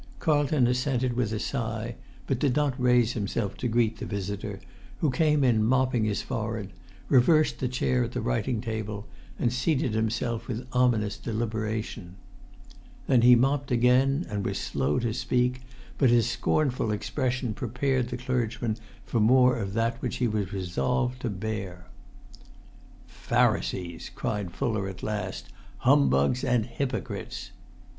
Carlton assented with a sigh, but did not raise himself to greet the visitor, who came in mopping his forehead, reversed the chair at the writing table, and seated himself with ominous deliberation. Then he mopped again, and was slow to speak; but his scornful expression prepared the clergyman for more of that which he was resolved to bear. "Pharisees!" cried Fuller at last. "Humbugs and hypocrites!"